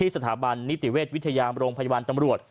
สถาบันนิติเวชวิทยามโรงพยาบาลตำรวจ